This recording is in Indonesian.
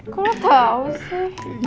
kok lo tau sih